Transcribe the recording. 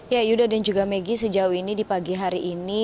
ya yuda dan juga megi sejauh ini di pagi hari ini